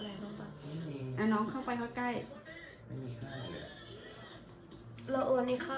เรามีเงินใดที่ต้องเฉ่งกับชายกับป๊อปต้องก็